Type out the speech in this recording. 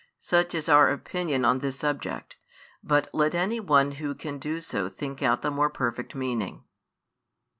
Such is our opinion on this subject, but let any one who can do so think out the more perfect meaning.